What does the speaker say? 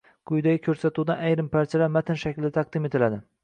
Quyida ko‘rsatuvdan ayrim parchalar matn shaklida taqdim etiladi